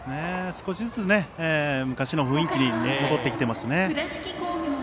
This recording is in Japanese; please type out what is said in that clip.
少しずつ昔の雰囲気に戻ってきていますね。